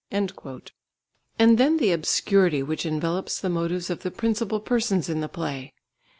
And then the obscurity which envelops the motives of the principal persons in the play!